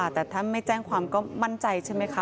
แต่ถ้าไม่แจ้งความก็มั่นใจใช่ไหมคะ